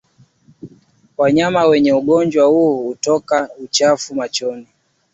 Wanyama wenye ugonjwa huu hutoka uchafu machoni